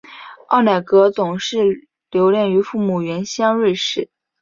奥乃格总是留恋于父母的原乡瑞士。